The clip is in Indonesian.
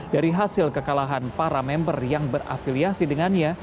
dari hasil kekalahan para member yang berafiliasi dengannya